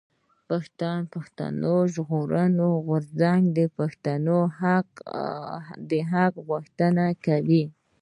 پښتون ژغورنې غورځنګ د پښتنو د حق غوښتنه کوي.